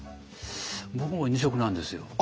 僕も２食なんですよ。